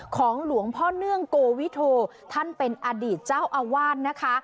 ของหลวงพ่อเนื่องโกวิโทท่านเป็นอดีตเจ้าอาวาสนะคะ